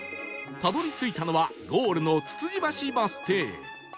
たどり着いたのはゴールのつつじばしバス停